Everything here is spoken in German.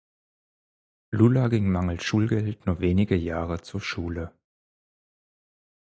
Lula ging mangels Schulgeld nur wenige Jahre zur Schule.